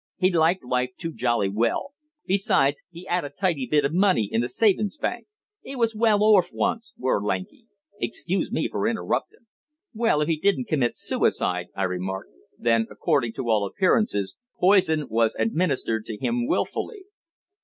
He liked life too jolly well. Besides, he 'ad a tidy bit o' money in the Savin's Bank. 'E was well orf once, wer' Lanky. Excuse me for interruptin'." "Well, if he didn't commit suicide," I remarked, "then, according to all appearances, poison was administered to him wilfully."